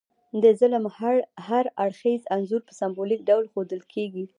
د ظلم هر اړخیز انځور په سمبولیک ډول ښودل کیږي.